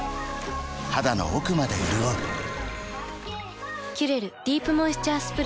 肌の奥まで潤う「キュレルディープモイスチャースプレー」